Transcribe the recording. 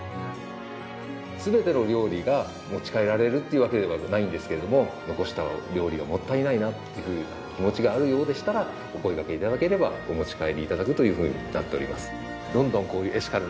全ての料理が持ち帰られるっていうわけではないんですけれども残した料理がもったいないなっていう気持ちがあるようでしたらお声がけ頂ければお持ち帰り頂くというふうになっております。